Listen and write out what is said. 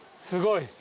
すごい。